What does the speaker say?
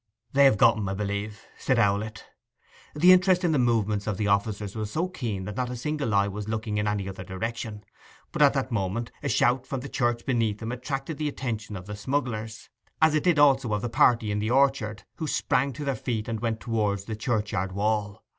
'They have got 'em, 'a b'lieve,' said Owlett. The interest in the movements of the officers was so keen that not a single eye was looking in any other direction; but at that moment a shout from the church beneath them attracted the attention of the smugglers, as it did also of the party in the orchard, who sprang to their feet and went towards the churchyard wall.